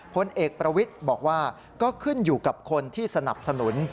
พลเอกประวิทย์บอกว่าก็ขึ้นอยู่กับคนที่สนับสนุน